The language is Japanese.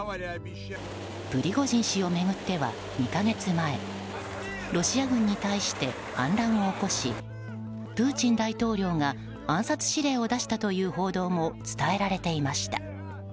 プリゴジン氏を巡っては２か月前ロシア軍に対して反乱を起こしプーチン大統領が暗殺指令を出したという報道も伝えられていました。